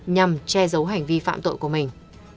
nhằm che giấu hành vi phạm tội của mình